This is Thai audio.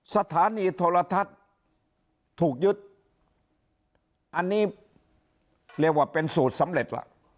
สถานีโทรทัศน์ถูกยึดอันนี้เรียกว่าเป็นสูตรสำเร็จล่ะ